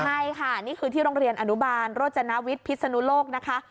ใช่ค่ะนี่คือที่โรงเรียนอนุบาลโรจนาวิทย์พิศนุโลกนะคะ